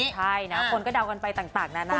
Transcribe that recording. ใช่นะคนก็เดากันไปต่างนานา